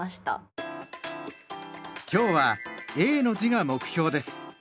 今日は「永」の字が目標です。